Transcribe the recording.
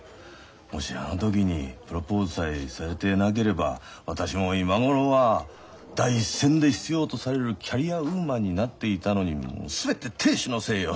「もしあの時にプロポーズさえされていなければ私も今頃は第一線で必要とされるキャリアウーマンになっていたのにもう全て亭主のせいよ！」